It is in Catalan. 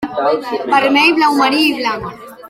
Vermell, blau marí, i blanc.